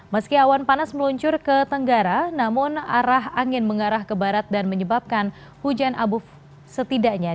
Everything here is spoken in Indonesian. meski awan panas meluncur ke tenggara namun arah angin mengarah ke barat dan menyebabkan hujan abuf setidaknya